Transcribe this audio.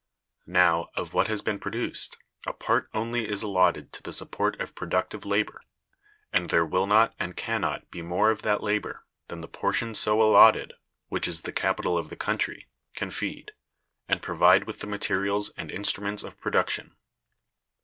Now, of what has been produced, a part only is allotted to the support of productive labor; and there will not and can not be more of that labor than the portion so allotted (which is the capital of the country) can feed, and provide with the materials and instruments of production.